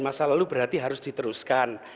masa lalu berarti harus diteruskan